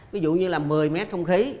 ví dụ như là một mươi m không khí